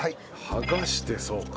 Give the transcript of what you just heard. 剥がしてそうか。